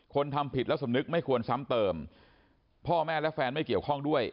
ทำผิดแล้วสำนึกไม่ควรซ้ำเติมพ่อแม่และแฟนไม่เกี่ยวข้องด้วย